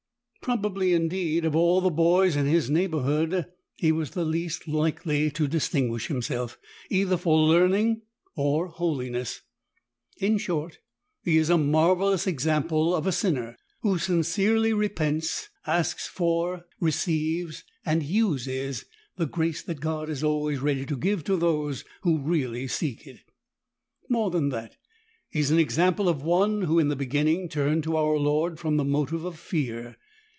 Probably indeed of all the boys in his neighbourhood he was the least likely to distinguish himself, either for learning or holiness. In short he is a marvellous example of a sin ner who sincerely repents, asks for, receives, and uses the grace that God is always ready to give to those who really seek it. More than that, he is an example of one who in the beginning turned to our Lord from the motive of fear.